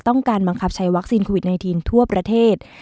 ต้องการบังคับใช้วัคซีนโควิด๑๙ทั่วประเทศ